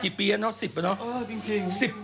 กี่ปีแล้วนะ๑๐ปีแล้วนะอยู่อย่างนี้กันมาอ๋อจริง